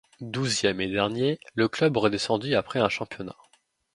Douzième et dernier, le club redescendit après un championnat.